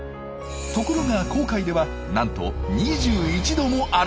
ところが紅海ではなんと２１℃もあるんです。